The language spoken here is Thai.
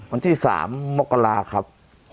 วันที่๓มกราครับ